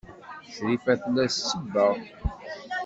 Crifa tella tsebbeɣ.